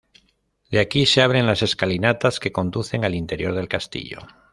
De aquí se abren las escalinatas que conducen al interior del castillo.